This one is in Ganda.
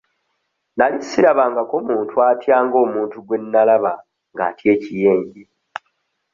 Nali sirabangako muntu atya ng'omuntu gwe nalaba ng'atya ekiyenje.